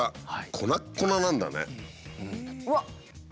粉っこななんだね。